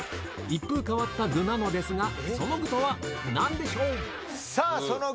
一風変わった具なのですが、その具とはなんでしょう。